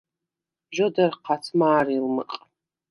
ჟ’ოდერ ჴაც მა̄რილმჷყ.